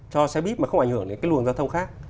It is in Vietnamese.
cho xe buýt mà không ảnh hưởng đến cái luồng giao thông khác